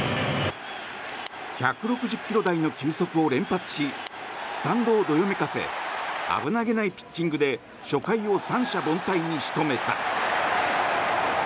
１６０ｋｍ台の球速を連発しスタンドをどよめかせ危なげないピッチングで初回を三者凡退に仕留めた。